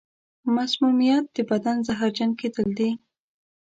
مسمومیت د بدن زهرجن کېدل دي.